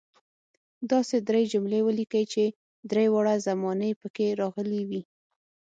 داسې درې جملې ولیکئ چې درې واړه زمانې پکې راغلي وي.